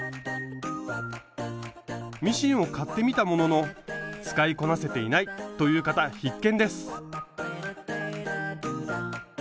ミシンを買ってみたものの使いこなせていないという方必見です！